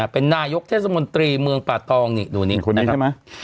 เป็นนายกเทศมนตรีเมืองป่าตองนี่ดูนี่คนนั้นใช่ไหม